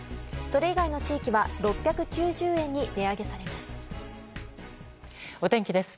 それ以外の地域は６９０円に値上げされます。